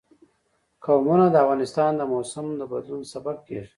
قومونه د افغانستان د موسم د بدلون سبب کېږي.